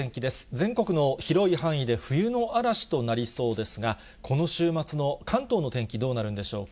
全国の広い範囲で冬の嵐となりそうですが、この週末の関東の天気、どうなるんでしょうか。